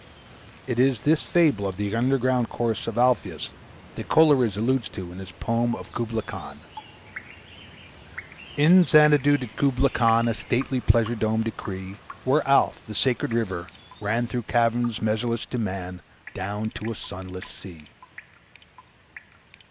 It is this fable of the underground course of Alpheus that Coleridge alludes to in his poem of "Kubla Khan": "In Xanadu did Kubla Khan A stately pleasure dome decree, Where Alph, the sacred river, ran Through caverns measureless to man, Down to a sunless sea."